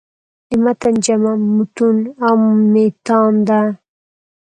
د متن جمع "مُتون" او "مِتان" ده.